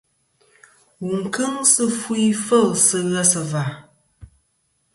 Wù n-kɨŋ sɨ fu ifêl sɨ ghesɨ̀và.